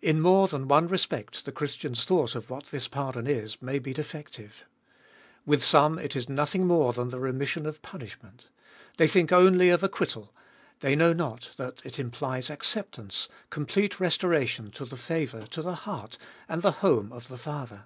In more than one respect the Christian's thought of what this pardon is may be defective. With some it is nothing more than the remission of punishment. They think only of acquittal ; they know not that it implies acceptance, complete restoration to the favour, to the heart and the home of the Father.